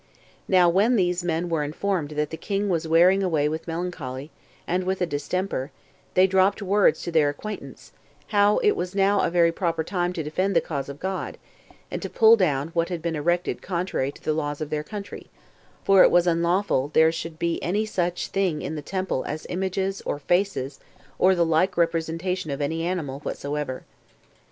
Now when these men were informed that the king was wearing away with melancholy, and with a distemper, they dropped words to their acquaintance, how it was now a very proper time to defend the cause of God, and to pull down what had been erected contrary to the laws of their country; for it was unlawful there should be any such thing in the temple as images, or faces, or the like representation of any animal whatsoever.